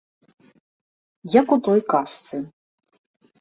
Як у той казцы.